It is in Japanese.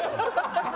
ハハハハ！